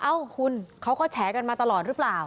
เอ้าคุณเขาก็แฉกันมาตลอดหรือเปล่า